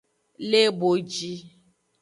Le boji.